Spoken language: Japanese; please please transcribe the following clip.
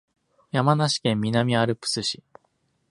山梨県南アルプス市